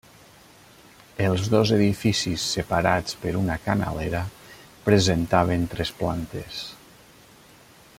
Els dos edificis separats per una canalera, presentaven tres plantes.